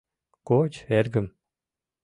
— Коч, эргым.